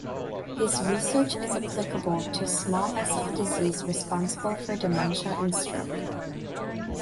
His research is applicable to small vessel disease responsible for dementia and stroke.